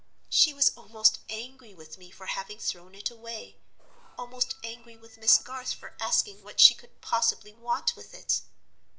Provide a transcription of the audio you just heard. She was almost angry with me for having thrown it away; almost angry with Miss Garth for asking what she could possibly want with it!